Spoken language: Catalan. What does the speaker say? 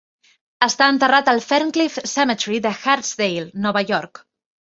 Està enterrat al Ferncliff Cemetery de Hartsdale, Nova York.